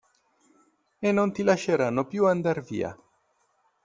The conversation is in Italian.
E non ti lasceranno più andar via.